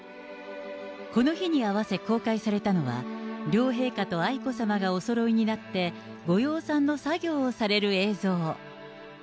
この日に合わせ公開されたのは、両陛下と愛子さまがおそろいになってご養蚕の作業をされる映像。